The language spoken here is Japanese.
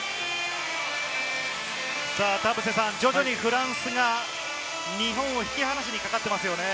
田臥さん、徐々にフランスが日本を引き離しにかかっていますね。